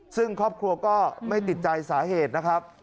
ซึ่งครอบครัวก็ไม่ติดใจสาเหตุนะครับ